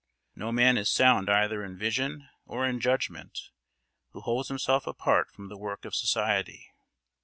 No man is sound either in vision or in judgment who holds himself apart from the work of society.